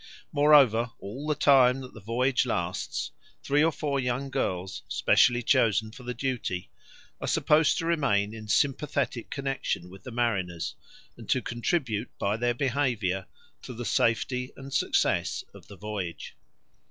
Moreover, all the time that the voyage lasts three or four young girls, specially chosen for the duty, are supposed to remain in sympathetic connexion with the mariners and to contribute by their behaviour to the safety and success of the voyage.